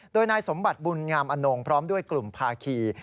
โดยนายสมบัติบุญงามอนงพร้อมด้วยกลุ่มภาคี